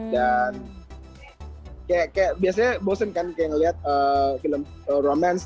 dan kayak biasanya bosen kan kayak ngeliat film romance